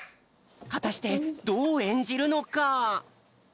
はたしてどうえんじるのか！？